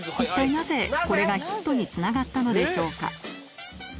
なぜこれがヒットにつながったのでしょうか？